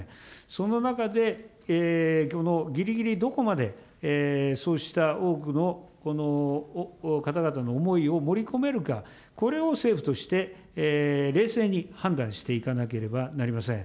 その中で、このぎりぎりどこまでそうした多くの方々の思いを盛り込めるか、これを政府として、冷静に判断していかなければなりません。